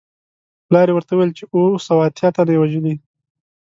پلار یې ورته وویل چې اووه سوه اتیا تنه یې وژلي.